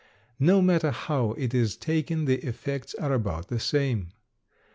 No matter how it is taken the effects are about the same.